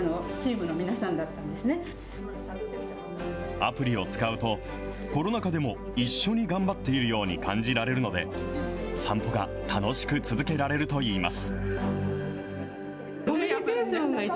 アプリを使うと、コロナ禍でも一緒に頑張っているように感じられるので、散歩が楽しく続けられるといいます。